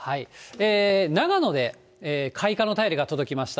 長野で開花の便りが届きました。